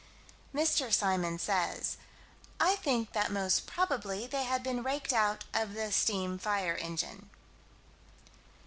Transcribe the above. Mr. Symons says: "I think that most probably they had been raked out of the steam fire engine."